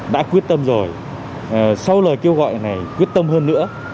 đã quyết tâm rồi sau lời kêu gọi này quyết tâm hơn nữa